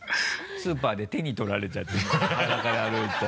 スーパーで手に取られちゃって裸で歩いてた。